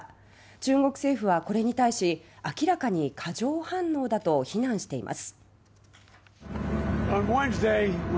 中国政府はこれに対し明らかに過剰反応だと非難しています。